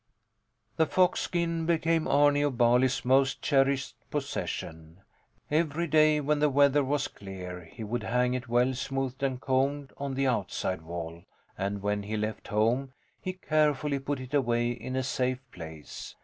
* The fox skin became Arni of Bali's most cherished possession. Every day, when the weather was clear, he would hang it, well smoothed and combed, on the outside wall, and when he left home he carefully put it away in a safe place.